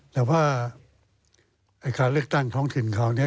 แต่ว่าการเลือกตั้งท้องถิ่นเขาเนี่ย